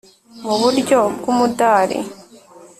mu buryo bw umudari